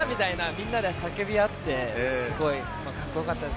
みたいな、みんなで叫び合って、すごくカッコよかったです。